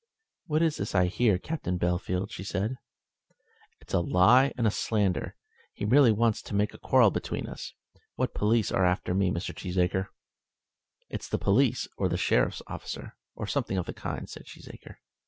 "What is this I hear, Captain Bellfield?" she said. "It's a lie and a slander. He merely wants to make a quarrel between us. What police are after me, Mr. Cheesacre?" "It's the police, or the sheriff's officer, or something of the kind," said Cheesacre.